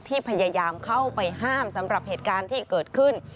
พยายามเข้าไปห้ามสำหรับเหตุการณ์ที่เกิดขึ้น